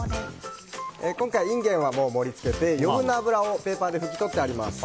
今回、インゲンは盛り付けて余分な脂をペーパーで拭き取っていきます。